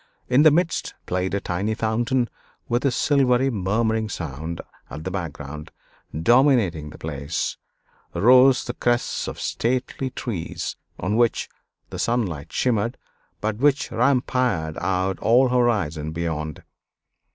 In the midst played a tiny fountain with a silvery murmuring sound; at the background, dominating the place, rose the crests of stately trees, on which the sunlight shimmered, but which rampired out all horizon beyond.